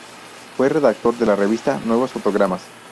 Fue redactor de la revista "Nuevos Fotogramas".